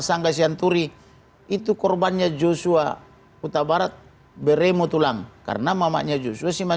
sangga sianturi itu korbannya joshua utabarat beremo tulang karena mamanya joshua siman